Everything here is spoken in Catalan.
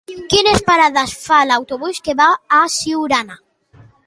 Quines parades fa l'autobús que va a Siurana?